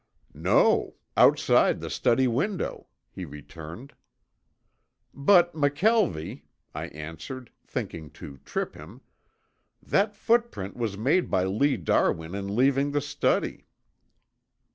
"No. Outside the study window," he returned. "But McKelvie," I answered, thinking to trip him, "that footprint was made by Lee Darwin in leaving the study."